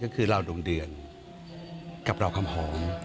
ก็คือเราดวงเดือนกับเราคำหอม